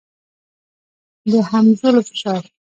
د همځولو فشار.